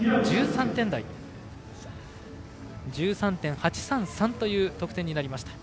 １３点台。１３．８３３という得点になりました。